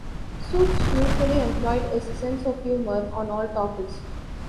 Suits usually employed his sense of humor on all topics.